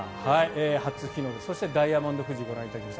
初日の出そしてダイヤモンド富士をご覧いただきました。